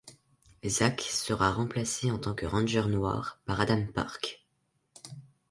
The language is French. Zack sera remplacée en tant que Ranger noir par Adam Park.